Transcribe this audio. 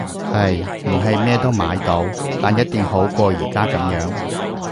係！唔係乜都買到，但一定好過而家噉樣